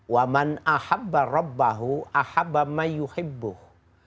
barang siapa yang cinta kepada allah